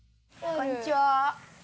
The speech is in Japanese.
こんにちは。